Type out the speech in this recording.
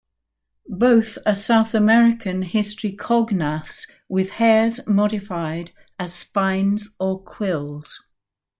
Both are South American hystricognaths with hairs modified as spines or quills.